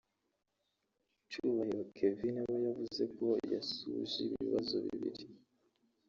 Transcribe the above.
Cyubahiro Kevin we yavuze ko yasuje ibibazo bibiri